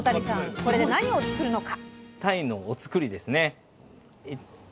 これで何を作るのか？